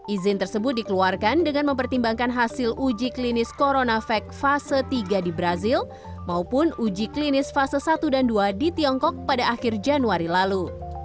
izin tersebut dikeluarkan dengan mempertimbangkan hasil uji klinis coronavac fase tiga di brazil maupun uji klinis fase satu dan dua di tiongkok pada akhir januari lalu